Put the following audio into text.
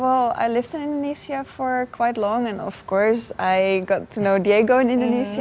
well saya hidup di indonesia selama yang cukup lama dan tentu saja saya dapat mengetahui diego di indonesia